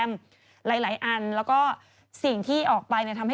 คุณค่ะคุณค่ะ